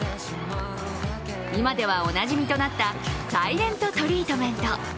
今ではおなじみとなったサイレント・トリートメント。